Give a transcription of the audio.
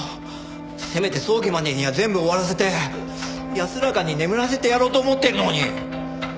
せめて葬儀までには全部終わらせて安らかに眠らせてやろうと思ってるのに！